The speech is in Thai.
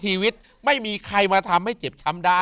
ชีวิตไม่มีใครมาทำให้เจ็บช้ำได้